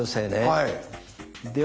はい。